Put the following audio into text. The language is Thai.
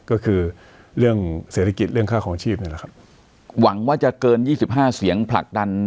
ก็คือเรื่องเศรษฐกิจเรื่องค่าของชีพนี่แหละครับหวังว่าจะเกินยี่สิบห้าเสียงผลักดัน